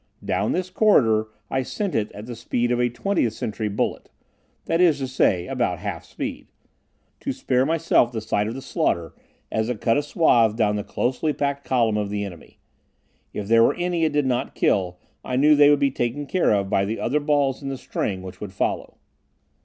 Down this corridor I sent it at the speed of a Twentieth Century bullet, (this is to say, about half speed) to spare myself the sight of the slaughter as it cut a swath down the closely packed column of the enemy. If there were any it did not kill, I knew they would be taken care of by the other balls in the string which would follow.